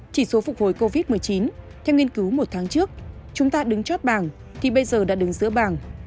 chỉ số phục hồi covid một mươi chín theo nghiên cứu một tháng trước chúng ta đứng chốt bảng thì bây giờ đã đứng giữa bảng